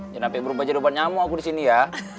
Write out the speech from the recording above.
jangan sampai berubah jadi obat nyamuk aku disini ya